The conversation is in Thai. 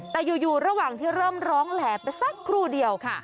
แต่อยู่ระหว่างที่เริ่มร้องแหล่ไปสักครู่เดียวค่ะ